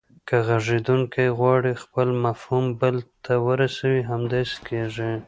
که غږیدونکی غواړي خپل مفهوم بل ته ورسوي همداسې کیږي